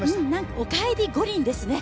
お帰り五輪ですね。